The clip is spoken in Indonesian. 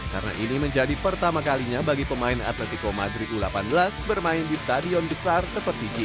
karena ini menjadi pertama kalinya bagi pemain atletico madrid u delapan belas bermain di stadion besar seperti jis